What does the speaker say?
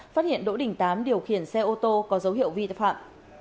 phát hiện đỗ đình tám điều khiển xe ô tô có dấu hiệu vi phạm